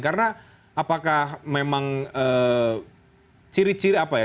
karena apakah memang ciri ciri apa ya